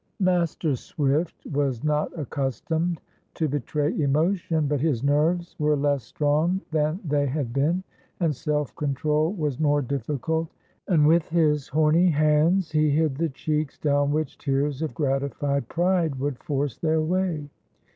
Master Swift was not accustomed to betray emotion, but his nerves were less strong than they had been, and self control was more difficult; and with his horny hands he hid the cheeks down which tears of gratified pride would force their way.